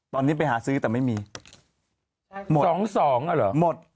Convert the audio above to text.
ตอนนี้ไปหาซื้อแต่ไม่มีหมด๒๒อ่ะเหรอหมด